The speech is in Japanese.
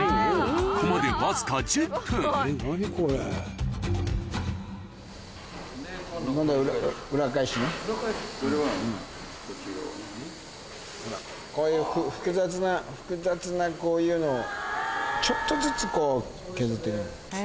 ここまでわずかこういう複雑な複雑なこういうのをちょっとずつこう削ってくの。